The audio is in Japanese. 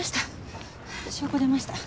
証拠出ました。